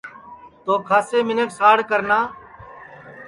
تو کھاسے منکھ ساڑ کرنا